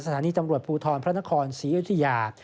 สถานีตำรวจภูทรพระนครศรีอยุธยา